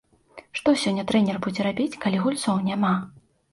Што сёння трэнер будзе рабіць, калі гульцоў няма?